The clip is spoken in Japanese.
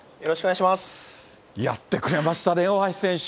やってくれましたね、大橋選手。